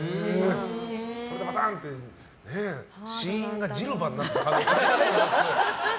それでバタンって死因がジルバになった可能性が。